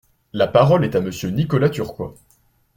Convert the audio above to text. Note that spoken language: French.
La parole est à Monsieur Nicolas Turquois.